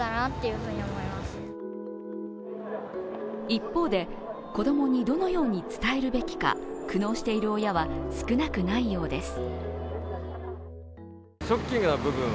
一方で、子供にどのように伝えるべきか苦悩している親は少なくないようです。